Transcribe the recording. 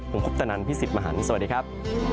ผมคุณพุทธนันทร์พี่สิทธิ์มหันฯสวัสดีครับ